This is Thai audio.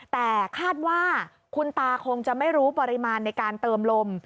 แต่คาดว่าคุณตาคงจะไม่รู้ปริมาณในการเติมลม